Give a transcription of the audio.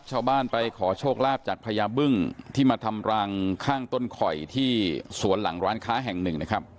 ชาวบ้านไปขอโชคลาภจากพญาบึ้งที่มาทำรังข้างต้นข่อยที่สวนหลังร้านค้าแห่งหนึ่งนะครับ